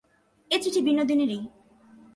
এ চিঠি বিনোদিনীরই।